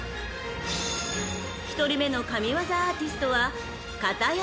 ［１人目の神業アーティストは］